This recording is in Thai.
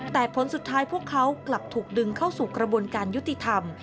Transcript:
แต่ผลสุดท้ายพวกเขากลับถูกดึงเข้าสู่กระบวนการยุติธรรม